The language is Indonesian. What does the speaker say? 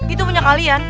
itu punya kalian